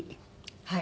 はい。